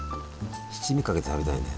七味かけて食べたいね。